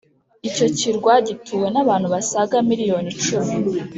Icyo kirwa gituwe nabantu basaga miliyoni icumi